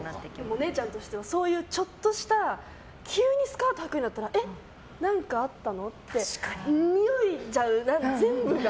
お姉ちゃんとしてはそういうちょっとした急にスカートはくようになったからえっ、何かあったの？って思えちゃう、全部が。